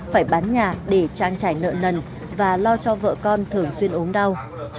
phải bán nhà để trang trải nợ nần và lo cho vợ con thường xuyên ốm đau